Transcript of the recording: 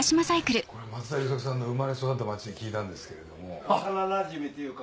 松田優作さんの生まれ育った町と聞いたんですけれども。